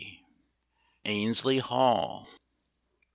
ANNESLEY HALL.